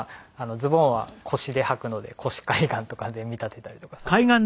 ズボンは腰ではくので『腰海岸』とかで見立てたりとか作品名を。